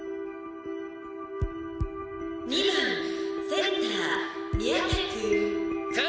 「２番センター宮田くん」。